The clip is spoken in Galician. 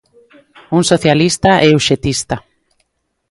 Un socialista e uxetista.